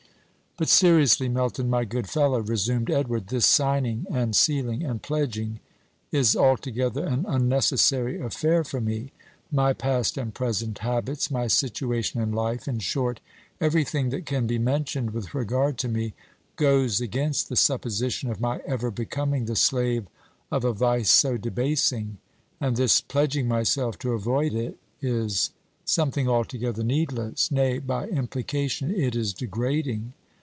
"But, seriously, Melton, my good fellow," resumed Edward, "this signing, and sealing, and pledging is altogether an unnecessary affair for me. My past and present habits, my situation in life, in short, every thing that can be mentioned with regard to me, goes against the supposition of my ever becoming the slave of a vice so debasing; and this pledging myself to avoid it is something altogether needless nay, by implication, it is degrading.